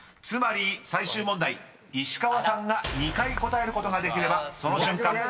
［つまり最終問題石川さんが２回答えることができればその瞬間